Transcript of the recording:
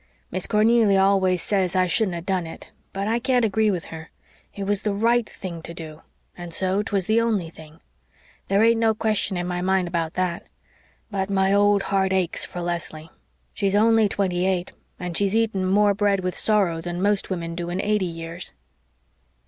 Miss Cornelia always says I shouldn't have done it, but I can't agree with her. It was the RIGHT thing to do and so 'twas the only thing. There ain't no question in my mind about THAT. But my old heart aches for Leslie. She's only twenty eight and she's eaten more bread with sorrow than most women do in eighty years."